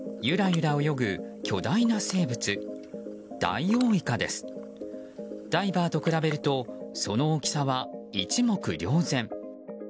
ダイバーと比べるとその大きさは一目瞭然。